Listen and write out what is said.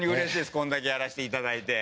これだけやらせていただいて。